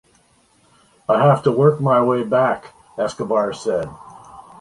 I have to work my way back, Escobar said.